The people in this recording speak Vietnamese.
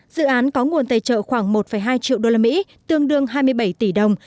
dự án có nguồn tài trợ khoảng một hai triệu đô la mỹ tương đương hai mươi bảy tỷ đồng